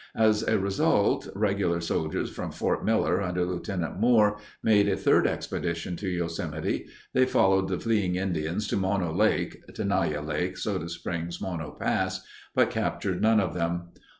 As a result regular soldiers from Fort Miller, under Lt. Moore, made a third expedition to Yosemite. They followed the fleeing Indians to Mono Lake (Tenaya Lake Soda Springs Mono Pass) but captured none of them.